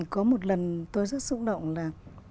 có một lần tôi rất xúc động là